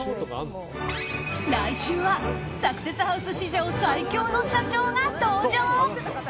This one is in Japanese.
来週はサクセスハウス史上最強の社長が登場。